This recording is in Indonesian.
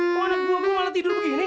kok anak buah buahan tidur begini